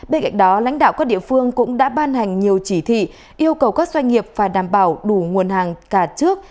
bên cạnh đó lãnh đạo các địa phương cũng đã ban hành nhiều chỉ thị yêu cầu các doanh nghiệp phải đảm bảo đủ nguồn hàng cả trước